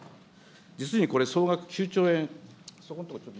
実にこれ、総額９兆円。